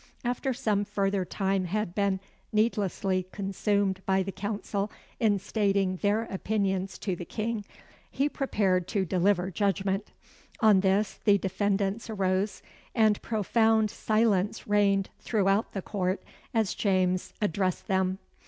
After some further time had been needlessly consumed by the Council in stating their opinions to the King, he prepared to deliver judgment. On this the defendants arose, and profound silence reigned throughout the Court as James addressed them.